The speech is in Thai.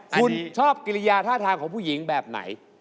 คุณชอบกิริยาท่าทางของผู้หญิงแบบไหน